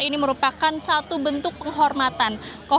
ini merupakan satu bentuk penghormatan